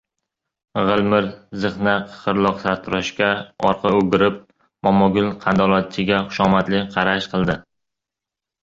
G‘ilmir ziqna qiqirloq sartaroshga orqa o‘girib, Momogul qandolatchiga xushomadli qarash qildi: